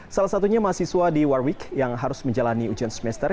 salah satunya mahasiswa di warwig yang harus menjalani ujian semester